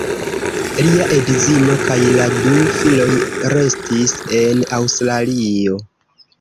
Lia edzino kaj la du filoj restis en Aŭstralio.